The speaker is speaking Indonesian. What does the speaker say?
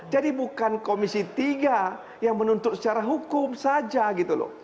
jadi bukan komisi tiga yang menuntut secara hukum saja gitu loh